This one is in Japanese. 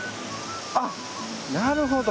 あっなるほど。